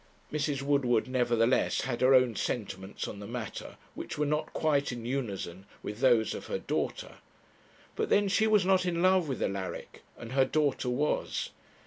Mrs. Woodward, nevertheless, had her own sentiments on the matter, which were not quite in unison with those of her daughter. But then she was not in love with Alaric, and her daughter was.